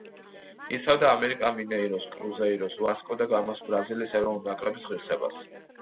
იცავდა „ამერიკა მინეიროს“, „კრუზეიროს“, „ვასკო და გამას“ და ბრაზილიის ეროვნული ნაკრების ღირსებას.